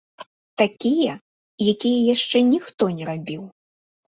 Такія, якія яшчэ ніхто не рабіў!